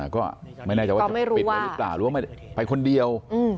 ก็ไม่น่าจะว่าจะไปไปหรือเปล่าไปคนเดียว